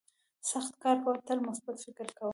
سخت کار کوه تل مثبت فکر کوه.